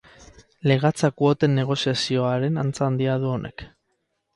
Legatza kuoten negoziazioaren antza handia du honek.